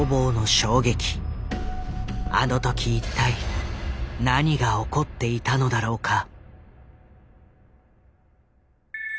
あの時一体何が起こっていたのだろうか。